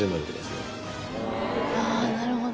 ああなるほど。